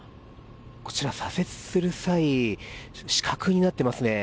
こちら、左折する際死角になっていますね。